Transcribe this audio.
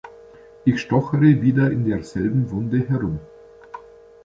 Ich stochere wieder in der selben Wunde herum.